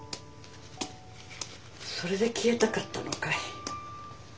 それで消えたかったのかい。